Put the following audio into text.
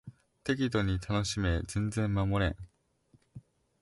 適度に楽しめ全然守れん